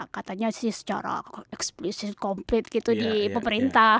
katanya secara eksplosif komplit gitu di pemerintah